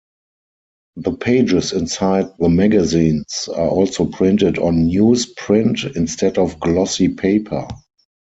The pages inside the magazines are also printed on newsprint instead of glossy paper.